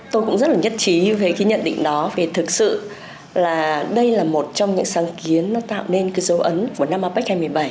tôi cũng rất là nhất trí với cái nhận định đó về thực sự là đây là một trong những sáng kiến nó tạo nên cái dấu ấn của năm apec hai nghìn một mươi bảy